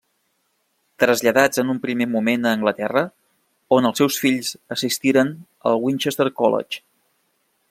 Traslladats en un primer moment a Anglaterra, on els seus fills assistiren al Winchester College.